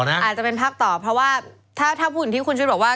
อาจจะเป็นพักต่อเพราะว่าถ้าพูดอย่างที่คุณชุดบอกว่า